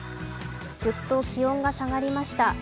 ぐっと気温が下がりました。